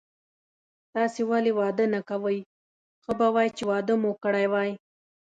تاسي ولي واده نه کوئ، ښه به وای چي واده مو کړی وای.